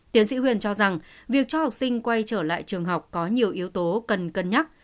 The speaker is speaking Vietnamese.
tiến sĩ huyền cho rằng việc cho học sinh quay trở lại trường học có nhiều yếu tố cần cân nhắc